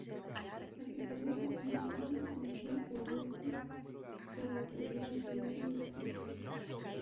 La fiscalía formuló entonces denuncia a Urresti por autoría material del crimen.